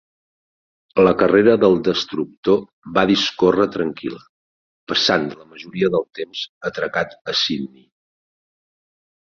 La carrera del destructor va discórrer tranquil·la, passant la majoria del temps atracat a Sydney.